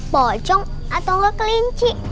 pocong atau nggak kelinci